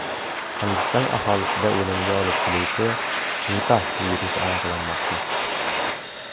Hindiston aholisida o‘limga olib keluvchi - nipah virusi aniqlanmoqda